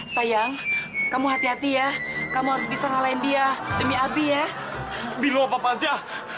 sayang kamu hati hati ya kamu harus bisa ngalahin dia demi abi ya biru apa apa aja